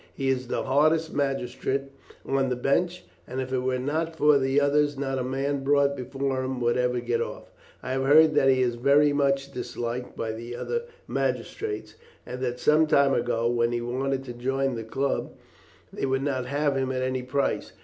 "He is the hardest magistrate on the bench, and if it were not for the others not a man brought before him would ever get off. I have heard that he is very much disliked by the other magistrates, and that some time ago, when he wanted to join the club, they would not have him at any price.